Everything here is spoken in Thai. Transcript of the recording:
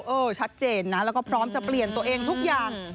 เออชัดเจนนะแล้วก็พร้อมจะเปลี่ยนตัวเองทุกอย่าง